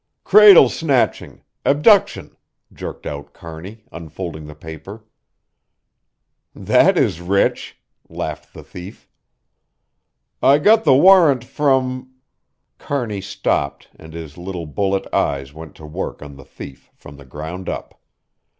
"Cradle snatching abduction," jerked out Kearney, unfolding the paper. "That is rich!" laughed the thief. "I got the warrant from" Kearney stopped and his little bullet eyes went to work on the thief from the ground up.